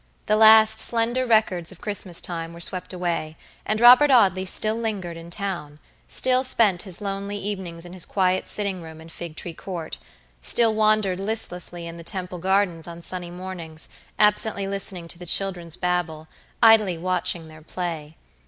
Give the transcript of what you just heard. The last slender records of Christmas time were swept away, and Robert Audley still lingered in townstill spent his lonely evenings in his quiet sitting room in Figtree Courtstill wandered listlessly in the Temple Gardens on sunny mornings, absently listening to the children's babble, idly watching their play.